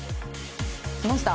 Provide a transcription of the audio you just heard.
来ました。